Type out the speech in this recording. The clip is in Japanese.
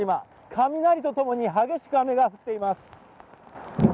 雷と共に激しく雨が降っています。